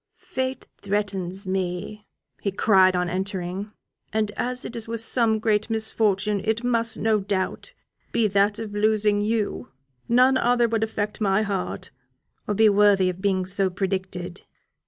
"Fate threatens me," he cried, on entering; "and as it is with some great misfortune, it must, no doubt, be that of losing you; none other would affect my heart, or be worthy of being so predicted.